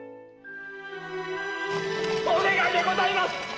お願いでございます！